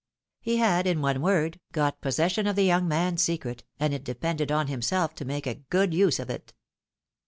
He had, in one word, got possession of the young man's secret, and it depended on himself to make a good use of it.